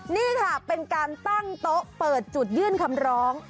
นี่ค่ะเป็นการตั้งโต๊ะเปิดจุดยื่นคำร้อง